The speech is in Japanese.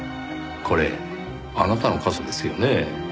これあなたの傘ですよね？